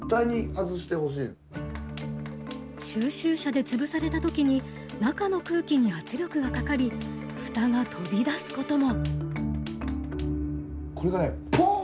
収集車で潰された時に中の空気に圧力がかかり火災につながるごみも。